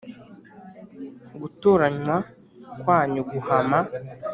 Gutoranywa kwanyu guhama